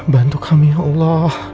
bantu kami ya allah